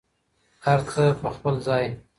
هر څه په خپل ځای.